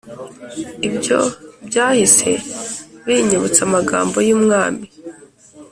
Ibyo byahise binyibutsa amagambo y Umwami